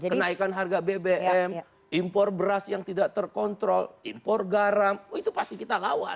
kenaikan harga bbm impor beras yang tidak terkontrol impor garam itu pasti kita lawan